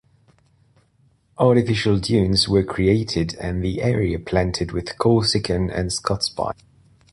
Artificial dunes were created and the area planted with Corsican and Scots pine.